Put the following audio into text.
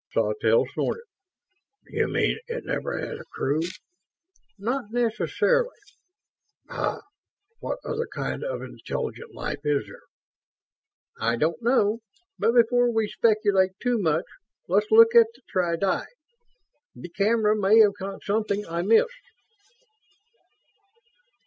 Sawtelle snorted. "You mean it never had a crew?" "Not necessarily...." "Bah! What other kind of intelligent life is there?" "I don't know. But before we speculate too much, let's look at the tri di. The camera may have caught something I missed."